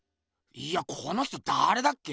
いやこの人だれだっけ？